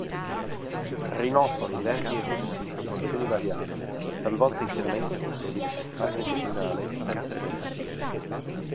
Rinofori verdi e rossi, in proporzioni variabili, talvolta interamente rossi, parte terminale sempre rossa.